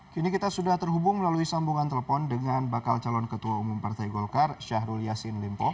kini kita sudah terhubung melalui sambungan telepon dengan bakal calon ketua umum partai golkar syahrul yassin limpo